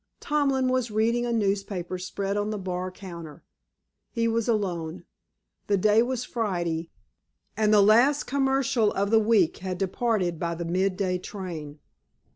Tomlin was reading a newspaper spread on the bar counter. He was alone. The day was Friday, and the last "commercial" of the week had departed by the mid day train.